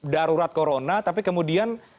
darurat corona tapi kemudian